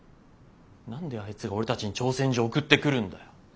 何であいつが俺たちに挑戦状送ってくるんだよ。